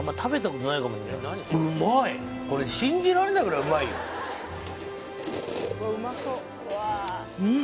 これ信じられないぐらいうまいようん！